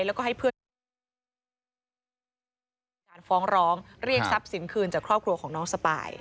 แล้วก็ให้เพื่อไทยมีการฟ้องร้องเรียกทรัพย์สินคืนจากครอบครัวของน้องสปาย